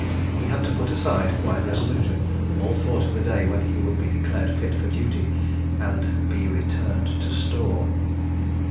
He had to put aside, quite resolutely, all thought of the day when he would be declared fit for duty and be "returned to store."